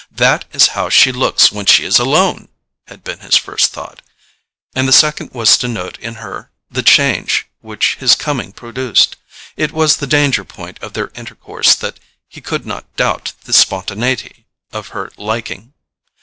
THAT IS HOW SHE LOOKS WHEN SHE IS ALONE! had been his first thought; and the second was to note in her the change which his coming produced. It was the danger point of their intercourse that he could not doubt the spontaneity of her liking.